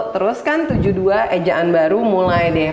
terus kan tujuh puluh dua ejaan baru mulai deh